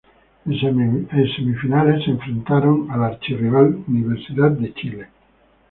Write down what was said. En Semifinales se enfrentaron al archirrival Universidad de Chile.